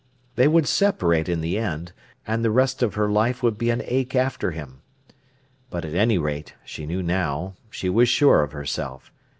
They would separate in the end, and the rest of her life would be an ache after him. But at any rate, she knew now, she was sure of herself.